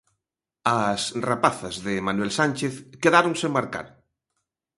As rapazas de Manuel Sánchez quedaron sen marcar.